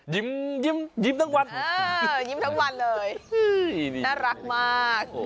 ยิ้มทั้งวันยิ้มทั้งวันเลยน่ารักมาก